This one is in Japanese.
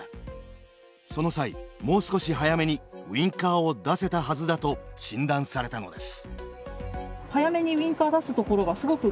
その際もう少し早めにウインカーを出せたはずだと診断されたのです。